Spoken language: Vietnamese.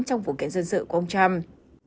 trong vụ kiện dân sự của ông trump